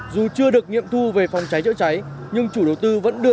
dù chưa được nghiệm thu về phòng cháy cháy cháy